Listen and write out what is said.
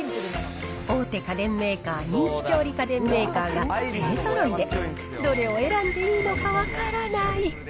大手家電メーカー、人気調理家電メーカーが勢ぞろいで、どれを選んでいいのか分からない。